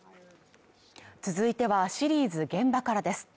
続いてはシリーズ「現場から」です。